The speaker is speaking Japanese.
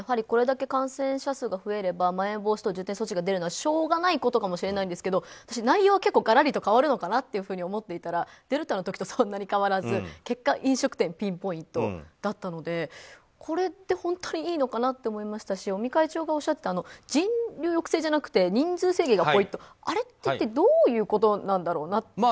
これだけ感染者数が増えればまん延防止等重点措置が出るのはしょうがないことかもしれないんですが私内容はがらりと変わるのかなと思っていたらデルタの時とそんなに変わらず結果、飲食店ピンポイントだったのでこれって、本当にいいのかなと思いましたし尾身会長がおっしゃった人流抑制じゃなくて人数制限がポイントってあれってどういうことなんだろうなって。